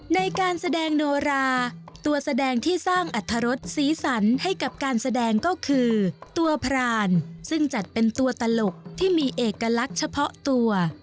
ในการแสดงโนราตัวแสดงที่สร้างอัตรรสสีสันให้กับการแสดงก็คือตัวพรานซึ่งจัดเป็นตัวตลกที่มีเอกลักษณ์เฉพาะตัว